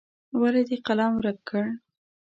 ولې دې قلم ورک کړ.